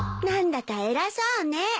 何だか偉そうね。